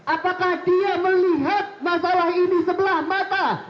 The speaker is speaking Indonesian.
apakah dia melihat masalah ini sebelah mata